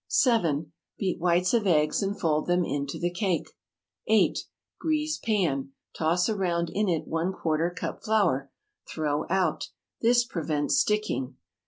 7. Beat whites of eggs and fold them into the cake. 8. Grease pan. Toss around in it ¼ cup flour. Throw out. This prevents sticking.